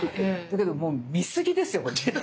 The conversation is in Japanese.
だけどもう見すぎですよ。